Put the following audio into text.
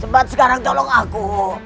cepat sekarang tolong aku